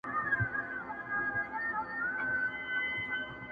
دا د ژوند پور دي در واخله له خپل ځانه یمه ستړی!!